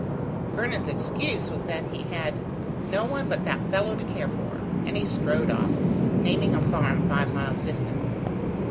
Vernon's excuse was that he had "no one but that fellow to care for", and he strode off, naming a farm five miles distant.